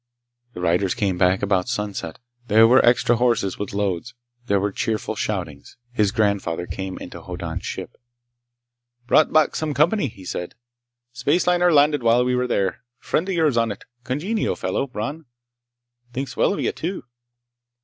The riders came back about sunset. There were extra horses, with loads. There were cheerful shoutings. His grandfather came into Hoddan's ship. "Brought back some company," he said. "Spaceliner landed while we were there. Friend of yours on it. Congenial fellow, Bron. Thinks well of you, too!"